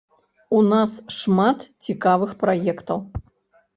У нас шмат цікавых праектаў.